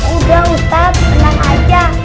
udah ustaz tenang aja